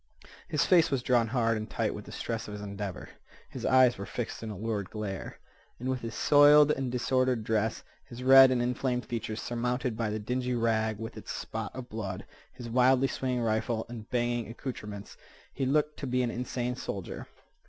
His face was drawn hard and tight with the stress of his endeavor. His eyes were fixed in a lurid glare. And with his soiled and disordered dress, his red and inflamed features surmounted by the dingy rag with its spot of blood, his wildly swinging rifle, and banging accouterments, he looked to be an insane soldier.